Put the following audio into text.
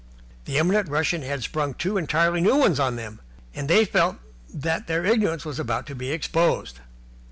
The eminent Russian had sprung two entirely new ones on them, and they felt that their ignorance was about to be exposed.